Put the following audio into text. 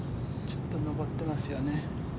ちょっと上ってますよね。